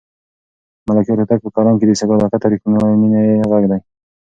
د ملکیار هوتک په کلام کې د صداقت او رښتونې مینې غږ دی.